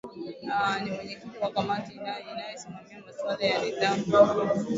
aa ni mwenyekiti wa kamati inayosimamia maswala ya nidhamu